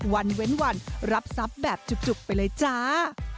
เว้นวันรับทรัพย์แบบจุกไปเลยจ้า